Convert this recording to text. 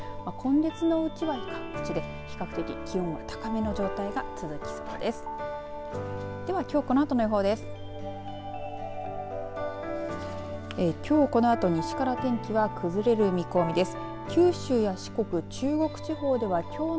今月のうちは各地で比較的気温が高めの状態が続きそうです。